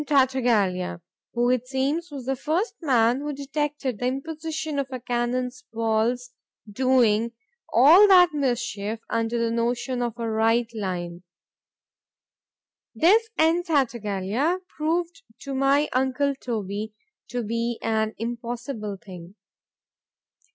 Tartaglia_, who it seems was the first man who detected the imposition of a cannon ball's doing all that mischief under the notion of a right line—This N. Tartaglia proved to my uncle Toby to be an impossible thing.